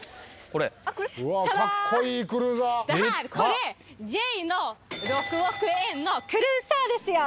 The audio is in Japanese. これＪの６億円のクルーザーですよ！